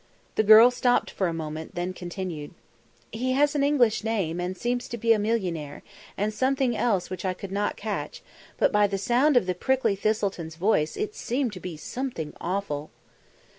The girl stopped for a moment, then continued: "He has an English name and seems to be a millionaire, and something else which I could not catch, but by the sound of the Prickly Thistleton's voice it seemed to be something awful!"